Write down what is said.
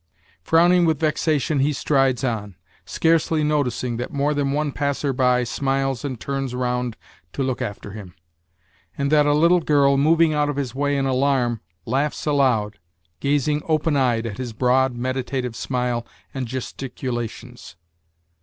Frowning with vexation he strides on, scarcely noticing that more than one passer by smiles and turns round to look after him, and that a little girl, moving out of his way in alarm, laughs aloud, gazing open eyed at his broad meditative smile and gesticulations.